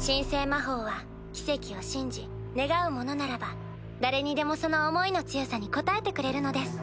神聖魔法は奇跡を信じ願う者ならば誰にでもその思いの強さに応えてくれるのです。